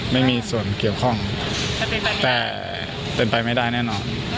ไม่มีส่วนเกี่ยวข้องแต่เป็นไปไม่ได้แน่นอน